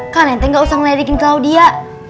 kak nete gak usah ngelerikin claudia